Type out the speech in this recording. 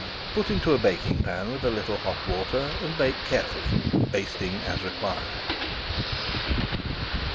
Put into a baking pan with a little hot water and bake carefully, basting as required.